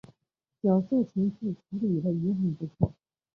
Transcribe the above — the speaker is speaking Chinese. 角色情绪处理的也很不错